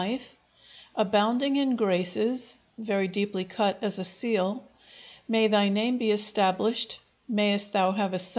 [4 hieroglyphs] "abounding in graces" (very deeply cut as a seal). "May thy name be established; mayst thou have a son."